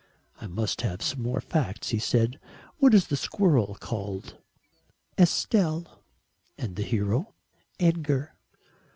"I must have some more facts," he said. "What is the squirrel called?" "Estelle." "And the hero?" "Edgar."